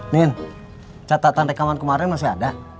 nin catatan rekaman kemarin masih ada